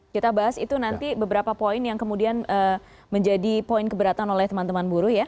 kita bahas itu nanti beberapa poin yang kemudian menjadi poin keberatan oleh teman teman buruh ya